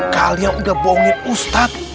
kalian udah bohongin ustadz